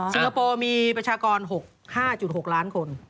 คโปร์มีประชากร๖๕๖ล้านคน